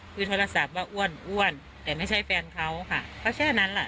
คุยโทรศัพท์ว่าอ้วนอ้วนแต่ไม่ใช่แฟนเขาค่ะเขาแค่นั้นแหละ